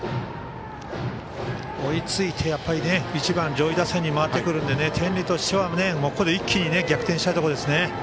追いついて１番、上位打線に回ってくるので天理としてはここで一気に逆転したいところですね。